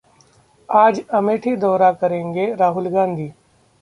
आज अमेठी का दौरा करेंगे राहुल गांधी